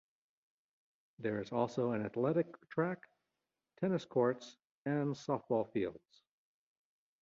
There is also an athletic track, tennis courts, and softball fields.